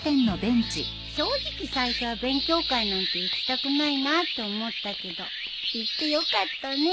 正直最初は勉強会なんて行きたくないなって思ったけど行ってよかったね。